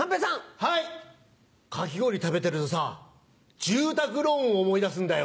かき氷食べてるとさ住宅ローンを思い出すんだよ。